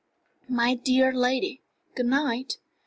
"My dear lady, good night.